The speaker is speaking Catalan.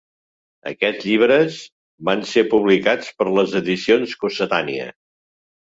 Aquests llibres van ser publicats per les Edicions Cossetània.